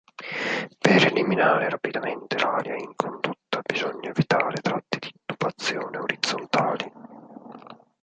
Per eliminare rapidamente l'aria in condotta bisogna evitare tratti di tubazione orizzontali.